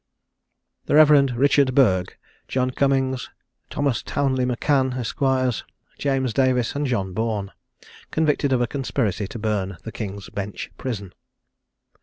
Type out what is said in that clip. THE REV. RICHARD BURGH, JOHN CUMMINGS, THOMAS TOWNLEY M'CAN, ESQRS., JAMES DAVIS, AND JOHN BOURNE. CONVICTED OF A CONSPIRACY TO BURN THE KING'S BENCH PRISON.